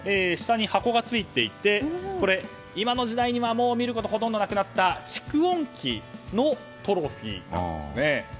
下に箱がついていて今の時代にはもう見ることがほとんどなくなった蓄音機のトロフィーなんですね。